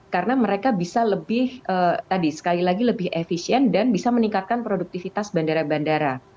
karena mereka bisa lebih tadi sekali lagi lebih efisien dan bisa meningkatkan produktivitas bandara bandara